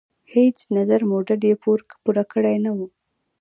هیڅ نظري موډل یې پور کړې نه وه.